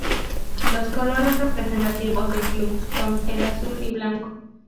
Los colores representativos del club, son el azul y blanco.